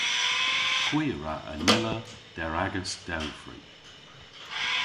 Hwi a wra anella der agas dewfrik.